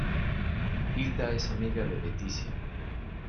Hilda es amiga de Leticia.